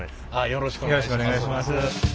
よろしくお願いします。